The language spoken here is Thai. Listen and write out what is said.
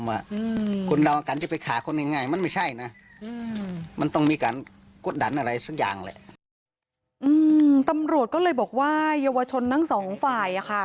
ตำรวจก็เลยบอกว่าเยาวชนทั้งสองฝ่ายอ่ะค่ะ